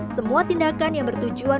semua tindakan yang bertujuan